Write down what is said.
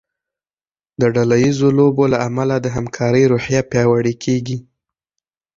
د ډله ییزو لوبو له امله د همکارۍ روحیه پیاوړې کیږي.